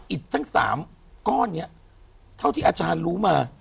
อีกทั้ง๓ก้อนนี้เท่าที่อาจารย์รู้มา